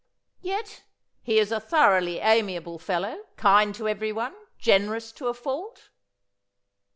' Yet he is a thoroughly amiable fellow, kind to everyone, generous to a fault.'